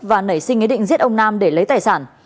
và nảy sinh ý định giết ông nam để lấy tài sản